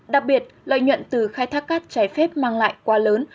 đặc biệt lợi nhuận từ khai thác cát trái phép mang lại quá lớn